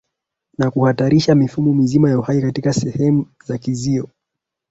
na kuhatarisha mifumo mizima ya uhai katika sehemu za Kizio